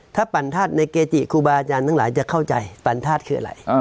ถ้าปั่นธาตุในเกจิครูบาอาจารย์ทั้งหลายจะเข้าใจปันธาตุคืออะไร